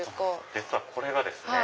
実はこれがですね